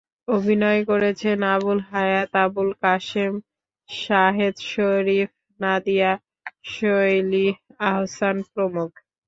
অভিনয় করেছেন আবুল হায়াত, আবুল কাশেম, শাহেদ শরীফ, নাদিয়া, শৈলী আহসান প্রমুখ।